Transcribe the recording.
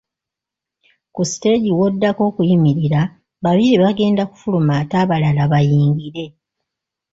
Ku siteegi w'oddako okuyimirira, babiri bagenda kufuluma ate abalala bayingire.